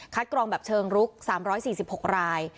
กรองแบบเชิงรุก๓๔๖ราย